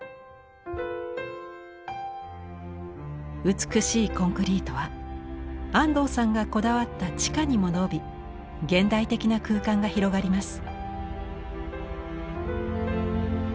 美しいコンクリートは安藤さんがこだわった地下にも延び現代的な空間が広がります。